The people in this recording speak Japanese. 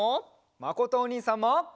まことおにいさんも。